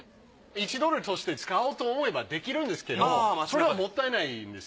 １ドルとして使おうと思えばできるんですけどそれはもったいないんです。